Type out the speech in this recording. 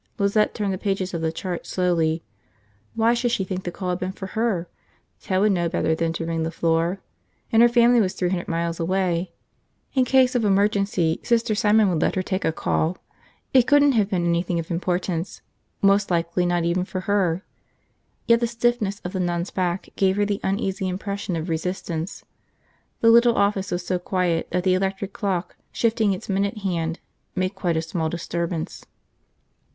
Lizette turned the pages of the chart slowly. Why should she think the call had been for her? Ted would know better than to ring the floor. And her family was three hundred miles away. In case of emergency Sister Simon would let her take a call. It couldn't have been anything of importance, most likely not even for her. Yet the stiffness of the nun's back gave her the uneasy impression of resistance. The little office was so quiet that the electric clock, shifting its minute hand, made quite a small disturbance.